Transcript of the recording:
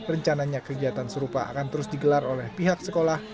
rencananya kegiatan serupa akan terus digelar oleh pihak sekolah